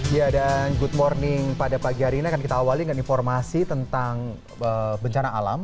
ya dan good morning pada pagi hari ini akan kita awali dengan informasi tentang bencana alam